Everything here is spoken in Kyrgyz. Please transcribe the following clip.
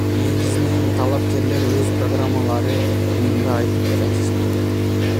Негизинен талапкерлер өз программалары жөнүндө айтып жатышты.